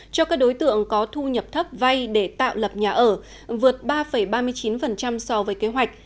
cho các đối tượng có thu nhập thấp vay để tạo lập nhà ở vượt ba ba mươi chín so với kế hoạch